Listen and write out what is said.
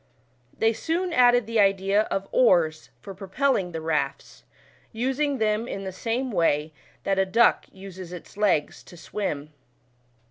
They soon added the idea of oars for pro pelling the rafts, using them in the same way, that a duck uses its legs to swim.